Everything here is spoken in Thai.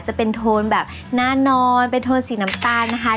จะเป็นโทนแบบหน้านอนเป็นโทนสีน้ำตาลนะคะ